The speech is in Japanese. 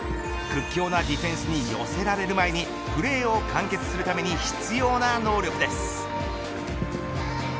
屈強なディフェンスに寄せられる前にプレーを完結するために必要な能力です。